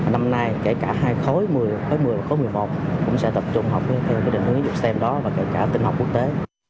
năm nay kể cả hai khối một mươi và một mươi một cũng sẽ tập trung học theo hướng tinh học quốc tế